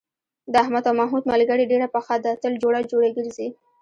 د احمد او محمود ملگري ډېره پخه ده، تل جوړه جوړه گرځي.